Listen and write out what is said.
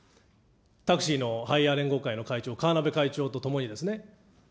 タクシーのハイヤー連合会の会長、かわなべ会長と共にですね。